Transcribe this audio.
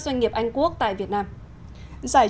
xin chào và hẹn gặp lại